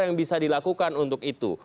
yang bisa dilakukan untuk itu